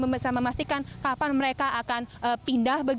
bisa memastikan kapan mereka akan pindah